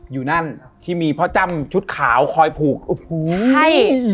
อยู่นั่นที่มีพ่อจ้ำชุดขาวคอยผูกโอ้โหใช่